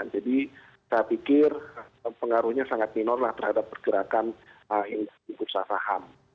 jadi saya pikir pengaruhnya sangat minor lah terhadap pergerakan indeks di bursa faham